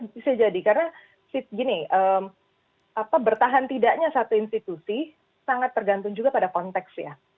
bisa jadi karena gini bertahan tidaknya satu institusi sangat tergantung juga pada konteks ya